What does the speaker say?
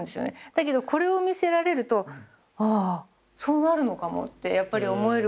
だけどこれを見せられるとああそうなるのかもってやっぱり思えるから。